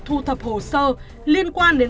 thu thập hồ sơ liên quan đến